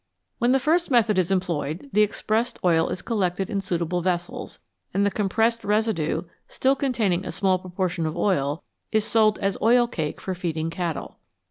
When the first method is employed the expressed oil is collected in suitable vessels, and the compressed residue, still containing a small proportion of oil, is sold as oil cake for feeding cattle.